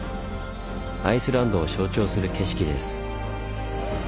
アイスランドを象徴する景色です。